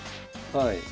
はい。